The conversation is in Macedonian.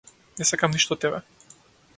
Не сакам ништо од тебе.